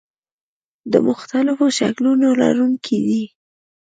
د مختلفو شکلونو لرونکي دي.